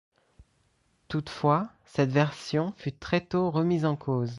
Toutefois, cette version fut très tôt remise en cause.